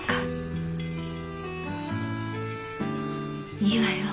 いいわよ。